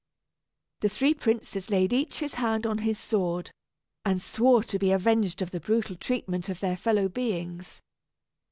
The three princes laid each his hand on his sword, and swore to be avenged of the brutal treatment of their fellow beings.